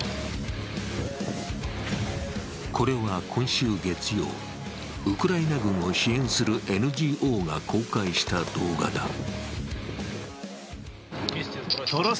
これは今週月曜、ウクライナ軍を支援するＮＧＯが公開した動画だ。